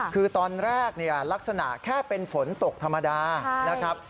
คือตอนแรกเนี่ยลักษณะแค่เป็นฝนตกธรรมดานะครับ